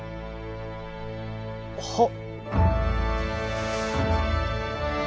はっ。